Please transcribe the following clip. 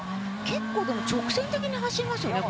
結構、直線的に走りますよね